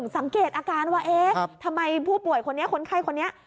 สังเกตอาการว่าเอ๊ะทำไมผู้ป่วยคนนี้คนไข้คนนี้